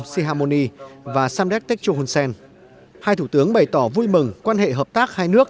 seharmony và samdek teccho hun sen hai thủ tướng bày tỏ vui mừng quan hệ hợp tác hai nước